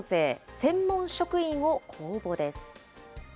専門職員を公募です。